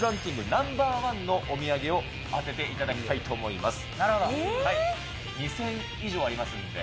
ナンバーワンのお土産を当てていただきたいと思います。